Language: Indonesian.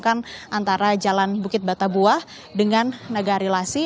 menghubungkan antara jalan bukit batabuah dengan negari lasi